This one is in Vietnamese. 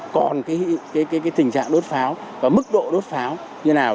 còn tình trạng đốt pháo và mức độ đốt pháo như nào